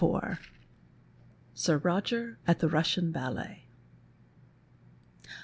17 SIR ROGER AT THE RUSSIAN BALLET No.